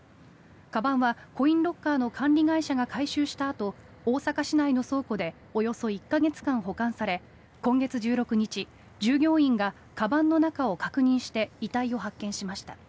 かばんはコインロッカーの管理会社が回収したあと大阪市内の倉庫でおよそ１か月間保管され今月１６日従業員がかばんの中を確認して遺体を発見しました。